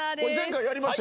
やりました。